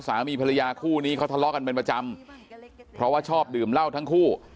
สามีภรรยาคู่นี้เขาทะเลาะกันเป็นประจำเพราะว่าชอบดื่มเหล้าทั้งคู่